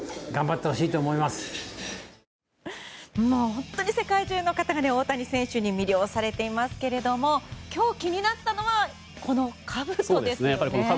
本当に世界中の方が大谷選手に魅了されていますけれども今日気になったのはこのかぶとですよね。